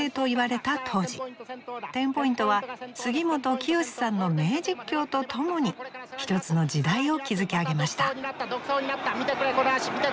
テンポイントは杉本清さんの名実況とともに一つの時代を築き上げました。